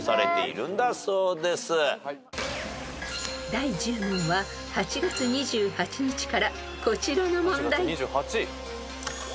［第１０問は８月２８日からこちらの問題］